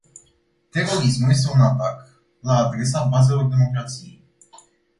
Terorismul este un atac la adresa bazelor democrației.